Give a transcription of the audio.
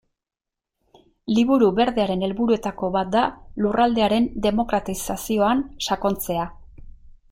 Liburu Berdearen helburuetako bat da lurraldearen demokratizazioan sakontzea.